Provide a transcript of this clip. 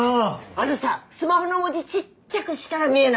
あのさスマホの文字ちっちゃくしたら見えなくなるよ。